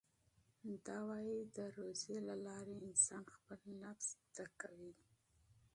ده وايي چې د روژې له لارې انسان خپل نفس زده کوي.